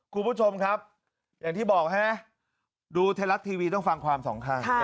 คุณผู้ชมครับอย่างที่บอกฮะดูไทยรัฐทีวีต้องฟังความสองข้าง